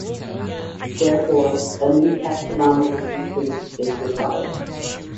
Therefore, a new taxonomical grouping is required.